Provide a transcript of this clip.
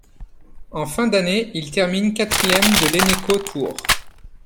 En fin d'année, il termine quatrième de l'Eneco Tour.